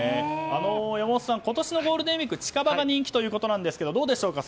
山本さん、今年のゴールデンウィークは近場が人気ということですがどうでしょうか